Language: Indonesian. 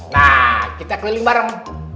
nah kita keliling bareng